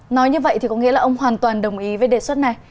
nói như vậy thì có nghĩa là ông hoàn toàn đồng ý với đề xuất này